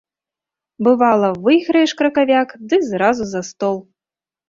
Бывала, выйграеш кракавяк ды зразу за стол.